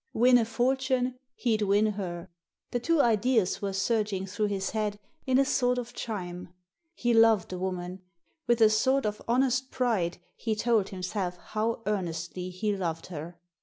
Win a fortune — ^he'd win her. The two ideas were surging though his head in a sort of chime. He loved the woman — ^with a sort of honest pride he told himself how earnestly he loved her.